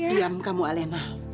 diam kamu alena